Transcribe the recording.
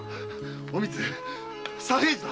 ⁉おみつ左平次だ！